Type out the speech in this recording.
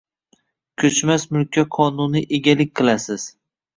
Koʼchmas mulkka qonuniy egalik qilasiz